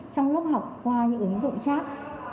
trong lớp học qua những ứng dụng chat